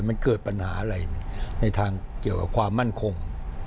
มันเกิดปัญหาอะไรในทางเกี่ยวกับความมั่นคง